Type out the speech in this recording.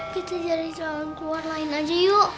bisa jadi pelawan keluar lain aja yuk